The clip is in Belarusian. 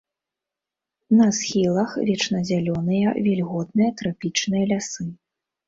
На схілах вечназялёныя вільготныя трапічныя лясы.